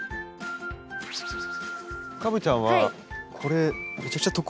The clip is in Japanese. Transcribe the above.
カブちゃんはこれめちゃくちゃ得意じゃない？